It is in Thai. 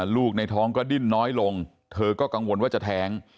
ลูกในท้องก็ดิ้นน้อยลงเธอก็กังวลว่าจะแท้ง